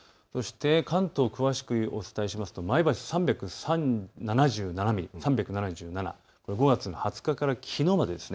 関東、詳しくお伝えしますと前橋３７７ミリ、これは５月の２０日からきのうまでです。